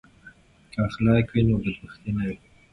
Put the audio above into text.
که اخلاق وي نو بدبختي نه وي.